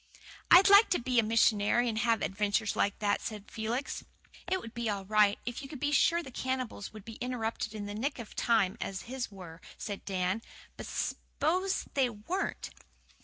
"I'd like to be a missionary and have adventures like that," said Felix. "It would be all right if you could be sure the cannibals would be interrupted in the nick of time as his were," said Dan. "But sposen they weren't?"